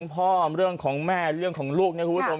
เรื่องพ่อและเรื่องของแม่และเรื่องของลูกในยุคผู้สม